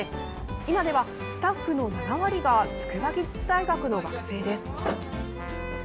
今ではスタッフの７割が筑波技術大学の学生です。